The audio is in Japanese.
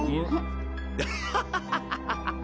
アハハハハ！